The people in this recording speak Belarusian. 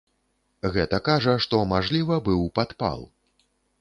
Гэта кажа, што мажліва, быў падпал.